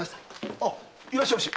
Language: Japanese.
いらっしゃいまし。